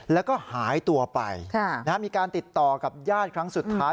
แล้วก็หายตัวไปมีการติดต่อกับญาติครั้งสุดท้าย